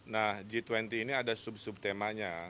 nah g dua puluh ini ada sub sub temanya